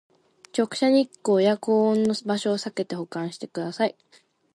直射日光や高温の場所をさけて保管してください